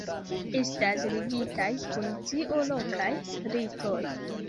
Estas ligitaj kun tio lokaj ritoj.